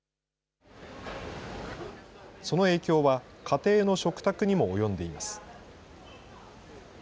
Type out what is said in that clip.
その影響は、家庭の食卓にも及んでいます。